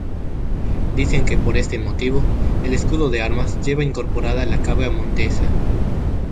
Dicen que por este motivo el escudo de armas lleva incorporada la cabra montesa.